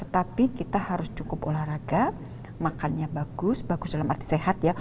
tapi kita harus cukup olahraga makannya bagus bagus dalam arti sehat ya